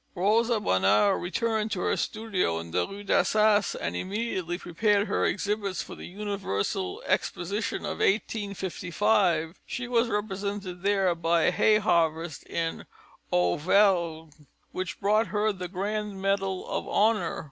Rosa Bonheur returned to her studio in the Rue d'Assas and immediately prepared her exhibits for the Universal Exposition of 1855. She was represented there by a Hay Harvest in Auvergne, which brought her the grand medal of honour.